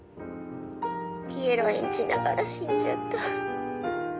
ピエロ演じながら死んじゃった。